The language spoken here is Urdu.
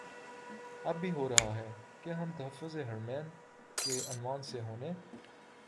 اب بھی ہو رہاہے کیا ہم تحفظ حرمین کے عنوان سے ہونے